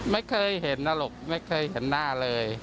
ไม่เคยเห็นนะลูกไม่เคยเห็นหน้าเลย